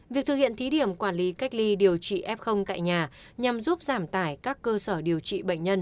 việc thực hiện thí điểm quản lý cách ly điều trị f tại nhà nhằm giúp giảm tải các cơ sở điều trị bệnh nhân